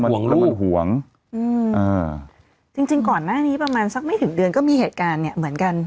ห่วงลูกเป็นห่วงอืมอ่าจริงจริงก่อนหน้านี้ประมาณสักไม่ถึงเดือนก็มีเหตุการณ์เนี้ยเหมือนกัน